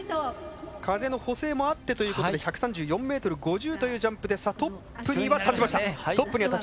風の補正もあってということで１３４ｍ５０というジャンプでトップには立ちました。